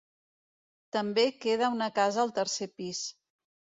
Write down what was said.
També queda una casa al tercer pis.